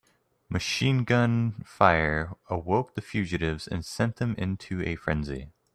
Machine gun fire awoke the fugitives and sent them into a frenzy.